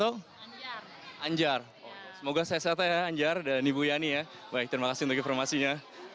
anjar semoga sehat ya anjar dan ibu yani ya baik terima kasih untuk informasinya